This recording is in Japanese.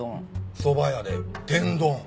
そば屋で天丼？